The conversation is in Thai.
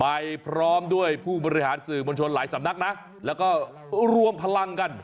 ไปพร้อมด้วยผู้บริหารสื่อมวลชนหลายสำนักนะแล้วก็รวมพลังกัน